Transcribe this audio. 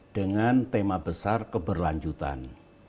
dengan tema besar keberlanjutan